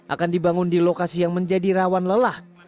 akan dibangun di lokasi yang menjadi rawan lelah